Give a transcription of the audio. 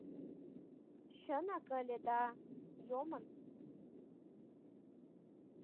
— Чынак ыле... да... йомын.